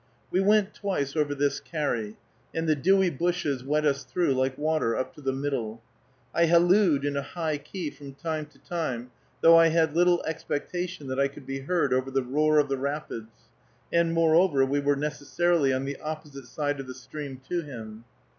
We went twice over this carry, and the dewy bushes wet us through like water up to the middle; I hallooed in a high key from time to time, though I had little expectation that I could be heard over the roar of the rapids, and, moreover, we were necessarily on the opposite side of the stream to him.